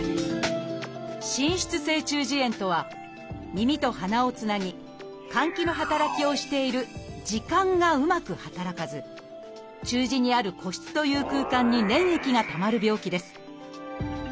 「滲出性中耳炎」とは耳と鼻をつなぎ換気の働きをしている「耳管」がうまく働かず中耳にある「鼓室」という空間に粘液がたまる病気です。